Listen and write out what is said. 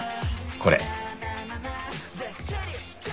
これ。